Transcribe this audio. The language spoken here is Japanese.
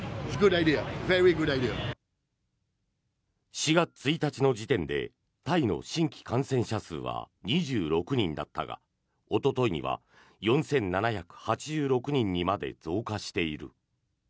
４月１日の時点でタイの新規感染者数は２６人だったがおとといには４７８６人にまで増加している。